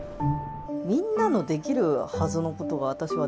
「みんなのできるはずのことが私はできない」。